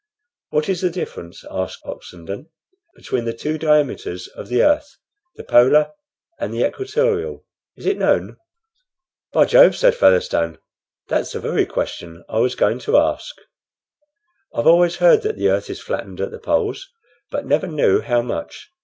"What is the difference," asked Oxenden, "between the two diameters of the earth, the polar and the equatorial? Is it known?" "By Jove!" said Featherstone, "that's the very question I was going to ask. I've always heard that the earth is flattened at the poles, but never knew how much.